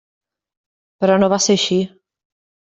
Però no va ser així.